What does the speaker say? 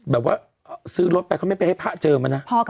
แบบว่าซื้อรถไปเขาไม่ไปให้พระเจิมมานะ